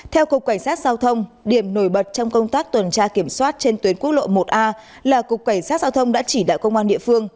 theo cục cảnh sát giao thông điểm nổi bật trong công tác tuần tra kiểm soát trên tuyến quốc lộ một a là cục cảnh sát giao thông đã chỉ đạo công an địa phương